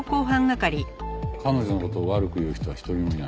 彼女の事を悪く言う人は一人もいない。